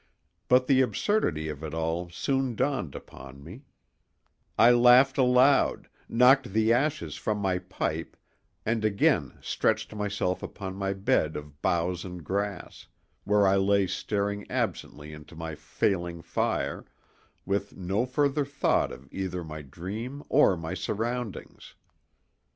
But the absurdity of it all soon dawned upon me: I laughed aloud, knocked the ashes from my pipe and again stretched myself upon my bed of boughs and grass, where I lay staring absently into my failing fire, with no further thought of either my dream or my surroundings.